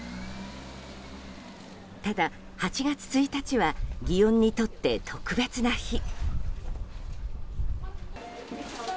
ただ、８月１日は祇園にとって特別な日。